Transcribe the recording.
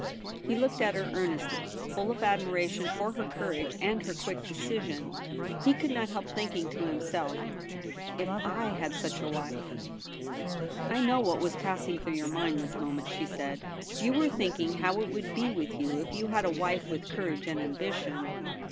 He looked at her earnestly, full of admira tion for her courage and her quick decision. He could not help thinking to himself, ' If I had such a wife !'* I know what was passing through your mind this moment,' she said. * You were thinking how it would be with you if you had a wife with courage and ambition.'